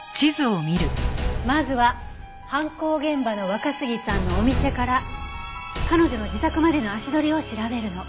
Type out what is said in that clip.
まずは犯行現場の若杉さんのお店から彼女の自宅までの足取りを調べるの。